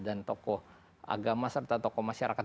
dan tokoh agama serta tokoh masyarakat